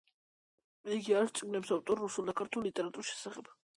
იგი არის წიგნების ავტორი რუსული და ქართული ლიტერატურის შესახებ.